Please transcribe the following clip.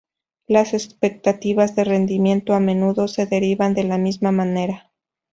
Las expectativas de rendimiento a menudo se derivan de la misma manera.